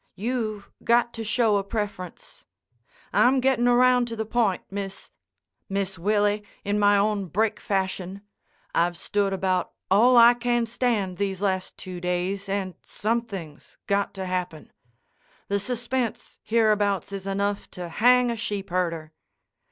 You've got to show a preference. I'm gettin' around to the point, Miss—Miss Willie, in my own brick fashion. I've stood about all I can stand these last two days and somethin's got to happen. The suspense hereabouts is enough to hang a sheepherder.